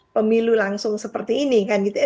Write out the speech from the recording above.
pemilu langsung seperti ini kan gitu ya